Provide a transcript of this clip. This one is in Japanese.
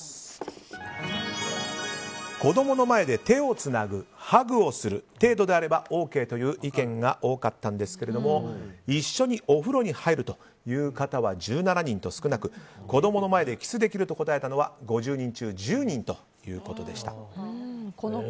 子供の前で手をつなぐハグをする程度であればＯＫだという方が多かったんですが一緒にお風呂に入る方は１７人と少なく子供の前でキスできると答えたのは５０人中１０人でした。